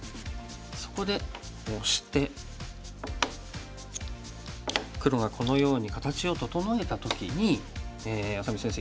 そこでオシて黒がこのように形を整えた時に愛咲美先生